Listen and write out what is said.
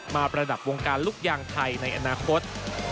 ประดับวงการลูกยางไทยในอนาคต